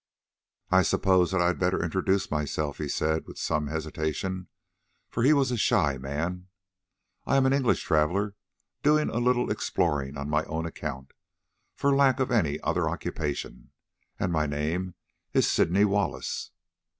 "I suppose that I had better introduce myself," he said with some hesitation, for he was a shy man. "I am an English traveller, doing a little exploring on my own account, for lack of any other occupation, and my name is Sydney Wallace."